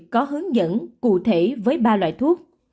có hướng dẫn cụ thể với ba loại thuốc